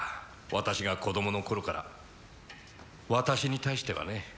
私が子供の頃から私に対してはね